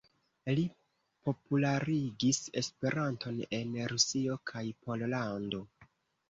Li popularigis Esperanton en Rusio kaj Pollando.